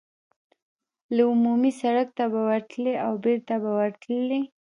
له عمومي سړک ته وتلای او بېرته به ورتللای.